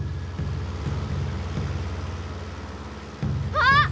あっ！